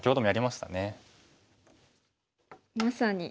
まさに。